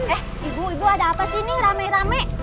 eh ibu ibu ada apa sih nih rame rame